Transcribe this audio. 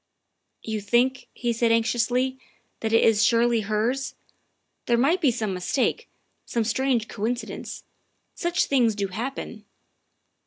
" You think," he said anxiously, " that it is surely hers ? There might be some mistake, some strange coin cidence. Such things do happen."